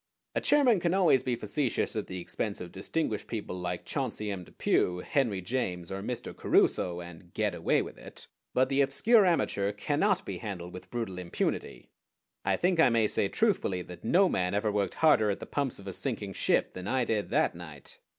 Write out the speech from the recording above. A chairman can always be facetious at the expense of distinguished people like Chauncey M. Depew, Henry James, or Mr. Caruso, and "get away with it"; but the obscure amateur cannot be handled with brutal impunity. I think I may say truthfully that no man ever worked harder at the pumps of a sinking ship than I did that night.